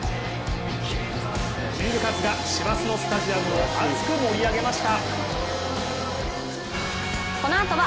キングカズが師走のスタジアムを熱く盛り上げました。